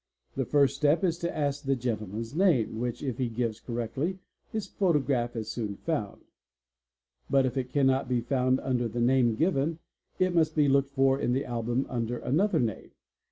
The first step is to ask the gentleman's name, which if he gives correctly his photograph is soon found. But if it cannot be found under the name given, it must be looked for in the album under another name.